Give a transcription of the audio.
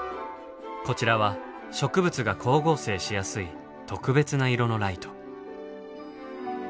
こちらは植物が光合成しやすい特別な色のライト。